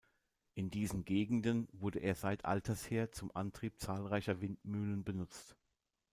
In diesen Gegenden wurde er seit alters her zum Antrieb zahlreicher Windmühlen benutzt.